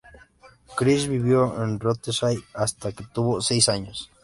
Chris vivió en Rothesay hasta que tuvo seis años.